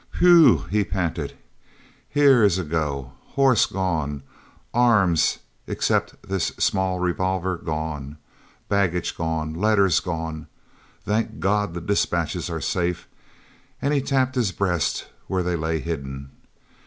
"Whew!" he panted, "here is a go. Horse gone—arms, except this small revolver, gone—baggage gone—letters gone. Thank God the dispatches are safe," and he tapped his breast, where they lay hidden.